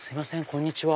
こんにちは。